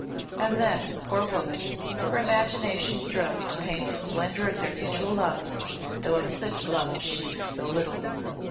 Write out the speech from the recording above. And then, poor woman, her imagination strove to paint the splendour of their mutual love, though of such love she knew so little.